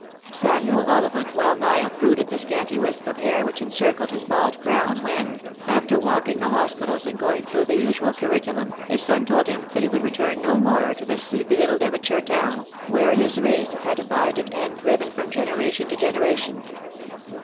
Samuel Ollivant well nigh uprooted the scanty wisp of hair which encircled his bald crown when, after walking the hospitals and going through the usual curriculum, his son told l iim that he would return no more to the sleepy little Devon shire town, where his race had abided and thriven from genera tion to generation.